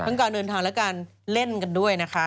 การเดินทางและการเล่นกันด้วยนะคะ